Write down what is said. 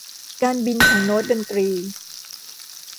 การบินของโน้ตดนตรี